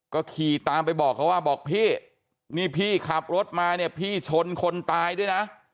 ก็ขี่ตามไปบอกเขาว่าบอกพี่นี่พี่ขับรถมาเนี่ยพี่ชนคนตายด้วยนะ